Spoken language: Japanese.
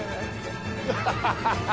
アハハハハ！